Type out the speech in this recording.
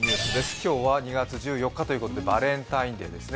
今日は２月１４日ということでバレンタインデーですね。